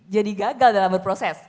jadi gagal dalam berproses